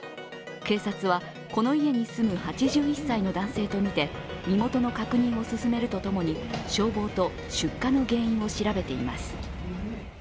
警察はこの家に住む８１歳の男性とみて身元の確認を進めるとともに、消防と出火の原因を調べています。